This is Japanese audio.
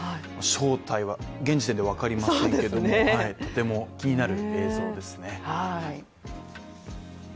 正体は現時点では分かりませんけれども、とっても気になる映像ですね。